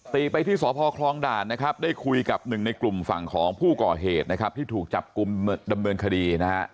ไปที่สพคลองด่านนะครับได้คุยกับหนึ่งในกลุ่มฝั่งของผู้ก่อเหตุนะครับที่ถูกจับกลุ่มดำเนินคดีนะฮะ